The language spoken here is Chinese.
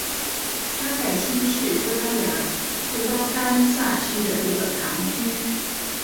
巴盖希是葡萄牙布拉干萨区的一个堂区。